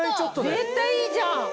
絶対いいじゃん。